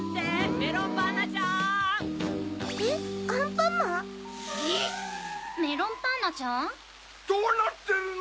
メロンパンナちゃん？どうなってるの？